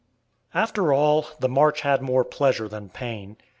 ] After all, the march had more pleasure than pain.